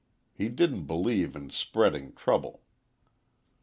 He didn't believe in spreading trouble.